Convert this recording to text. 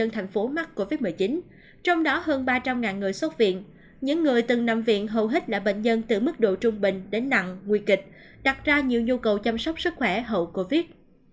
một mươi tầng nằm viện hầu hết là bệnh nhân từ mức độ trung bình đến nặng nguy kịch đặt ra nhiều nhu cầu chăm sóc sức khỏe hậu covid